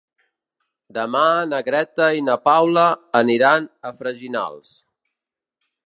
Demà na Greta i na Paula aniran a Freginals.